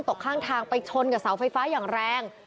ตกข้างทางไปชนกับเสาไฟฟ้าอย่างแรง